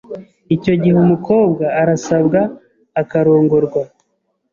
Icyo gihe umukobwa arasabwa akarongorwa